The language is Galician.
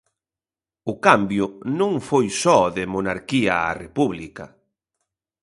O cambio non foi só de Monarquía a República.